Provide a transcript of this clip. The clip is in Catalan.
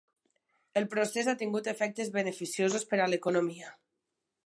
El procés ha tingut efectes beneficiosos per a l'economia.